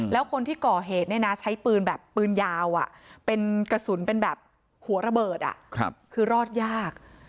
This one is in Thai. แล้วคนที่ก่อเหตุเนี่ยนะใช้ปืนแบบปืนยาวเป็นกระสุนเป็นแบบหัวระเบิดคือรอดยาก